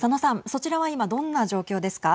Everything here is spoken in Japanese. そちらは今、どんな状況ですか。